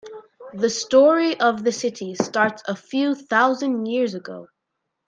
The story of the city starts a few thousand years ago.